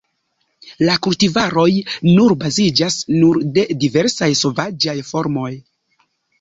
La kultivaroj nur baziĝas nur de diversaj sovaĝaj formoj.